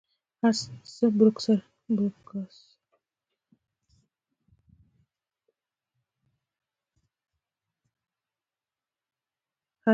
هر څه بروکراسي ته واوښتل.